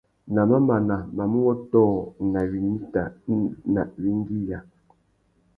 Na mamana, mamú wôtō nà winita nà « wingüiya ».